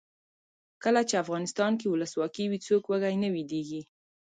کله چې افغانستان کې ولسواکي وي څوک وږی نه ویدېږي.